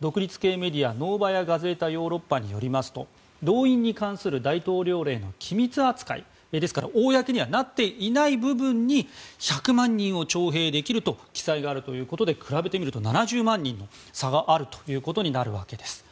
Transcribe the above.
独立系メディアノーバヤ・ガゼータ・ヨーロッパによりますと動員に関する大統領令は機密扱いですから公になっていない部分に１００万人を徴兵できると記載があるということで比べてみると、７０万人の差があるということです。